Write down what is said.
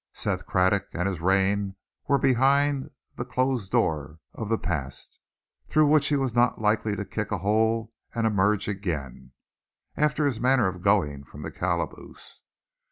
Seth Craddock and his reign were behind the closed door of the past, through which he was not likely to kick a hole and emerge again, after his manner of going from the calaboose.